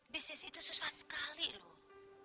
bisnis itu susah sekali loh